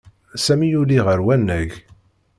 Sami yuli ɣer wannag.